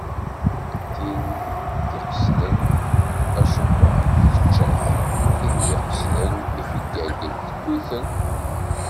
Tin d-iqesden acewwaḍ, tečča-t. Tin d-iqesden ifeggagen, tewwi-ten.